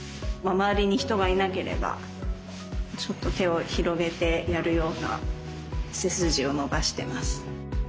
周りに人がいなければちょっと手を広げてやるような背筋を伸ばしてます。